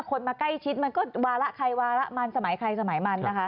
คนมาใกล้ชิดมันก็วาระใครวาระมันสมัยใครสมัยมันนะคะ